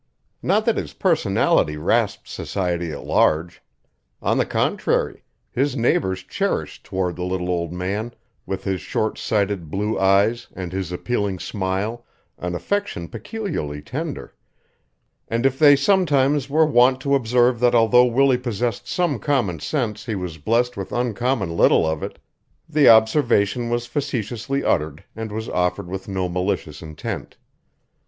Not that his personality rasped society at large. On the contrary his neighbors cherished toward the little old man, with his short sighted blue eyes and his appealing smile, an affection peculiarly tender; and if they sometimes were wont to observe that although Willie possessed some common sense he was blessed with uncommon little of it, the observation was facetiously uttered and was offered with no malicious intent.